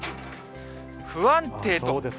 不安定と。